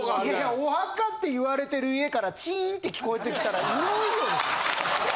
お墓って言われてる家からチーンって聞こえてきたらいよいよでしょ。